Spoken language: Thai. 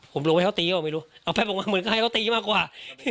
ผมลงไปเขาตีเปล่าไม่รู้เอาไปบอกว่าเหมือนกับให้เขาตีมากกว่า